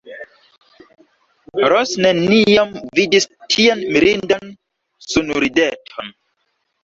Ros neniam vidis tian mirindan sunrideton.